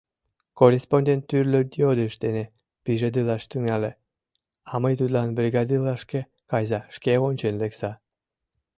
Корреспондент тӱрлӧ йодыш дене пижедылаш тӱҥале, а мый тудлан: «Бригадылашке кайза, шке ончен лекса.